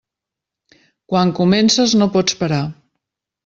Quan comences, no pots parar.